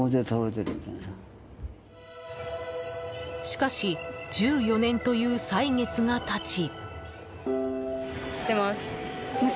しかし１４年という歳月が経ち。